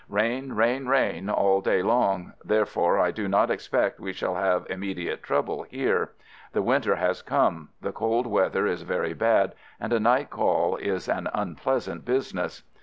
Rain, rain, rain, all day long; therefore, I do not expect we shall have immediate trouble here. The winter has come — the cold weather is very bad and a night call is an unpleasant business.